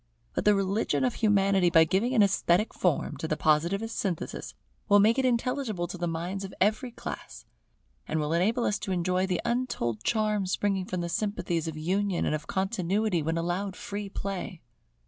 But the religion of Humanity, by giving an esthetic form to the Positivist synthesis, will make it intelligible to minds of every class: and will enable us to enjoy the untold charm springing from the sympathies of union and of continuity when allowed free play.